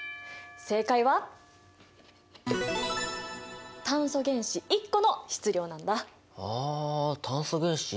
正解はあ炭素原子１個の質量か。